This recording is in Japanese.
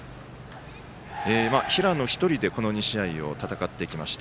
平野１人でこの２試合を戦ってきました。